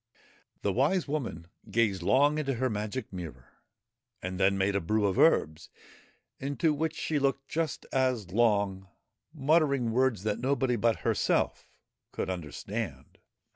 The Wise Woman gazed long into her magic mirror, and then made a brew of herbs, into which she looked just as long, muttering words that nobody but herself could understand.